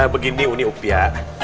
begini enough ya